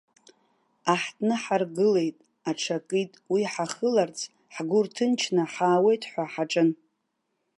Аҳҭны ҳаргылеит аҽакит, уи ҳахыларц ҳгәы рҭынчны ҳаауеит ҳәа ҳаҿын.